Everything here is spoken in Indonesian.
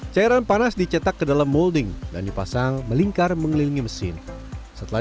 cairan panas dicetak ke dalam molding dan dipasang melingkar mengelilingi mesin setelah